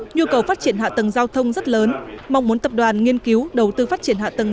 nhu cầu phát triển hạ tầng giao thông rất lớn mong muốn tập đoàn nghiên cứu đầu tư phát triển hạ tầng